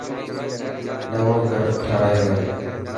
نئوو گھر ٺارايو هي.